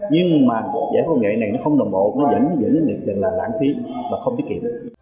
nhưng mà giải pháp công nghệ này nó không đồng bộ nó vẫn là lãng phí và không tiết kiệm